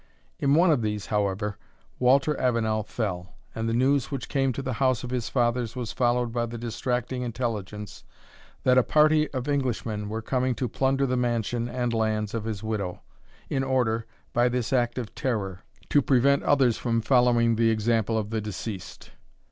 In one of these, however, Walter Avenel fell, and the news which came to the house of his fathers was followed by the distracting intelligence, that a party of Englishmen were coming to plunder the mansion and lands of his widow, in order, by this act of terror, to prevent others from following the example of the deceased.